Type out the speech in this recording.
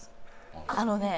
あのね